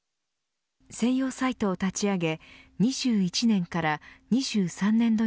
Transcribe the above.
専用サイトを立ち上げ２１年から２３年度